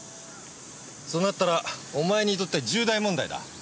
そうなったらお前にとっては重大問題だ。